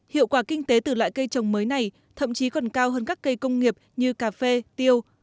hiệu quả kinh tế từ loại cây trồng mới này thậm chí còn cao hơn các cây công nghiệp như cà phê tiêu